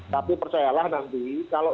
tapi percayalah nanti kalau